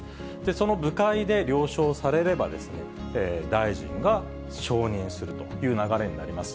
その部会で了承されれば、大臣が承認するという流れになります。